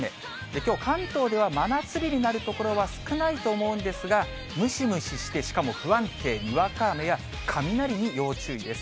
きょう、関東では真夏日になる所は少ないと思うんですが、ムシムシして、しかも不安定、にわか雨や雷に要注意です。